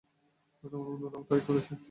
তোমার বন্ধুরাও তাই করেছে।